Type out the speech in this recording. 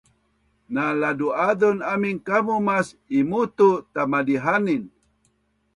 na ladu-azun amin kamu mas imuu tu Tamadihanin